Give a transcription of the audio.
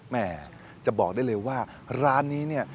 แม่จะบอกได้เลยว่าร้านนี้เนี่ย